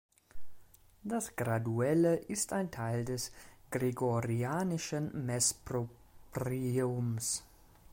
Das Graduale ist ein Teil des gregorianischen Mess-Propriums.